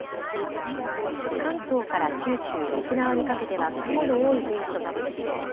関東から九州、沖縄にかけては雲の多い天気となるでしょう。